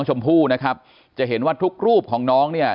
ชมพู่นะครับจะเห็นว่าทุกรูปของน้องเนี่ย